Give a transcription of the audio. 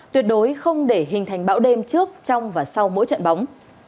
tuyệt đối không để hình thành bão đêm trước trong và sau mỗi trận bóng